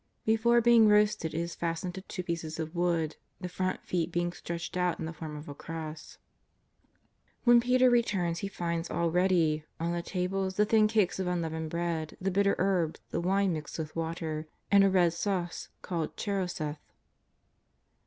'' Before being roasted it is fastened to two pieces of wood, the front feet being stretched out in the form of a cross. When Peter returns he finds all ready — on the tables the thin cakes of unleavened bread, the bitter herbs, the wine mixed with water, and a red sauce called charoseth.